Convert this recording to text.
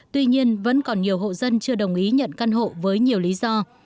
tuy nhiên vẫn còn nhiều hộ dân chưa đồng ý nhận căn hộ với nhiều lý do